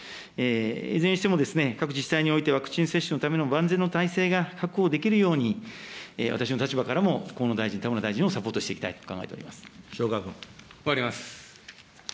いずれにしても各自治体においてワクチン接種のための万全の体制が確保できるように、私の立場からも河野大臣、田村大臣をサポー塩川君。